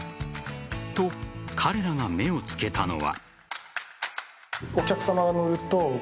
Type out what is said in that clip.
と、彼らが目をつけたのは。